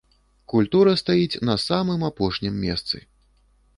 Культура стаіць на самым апошнім месцы!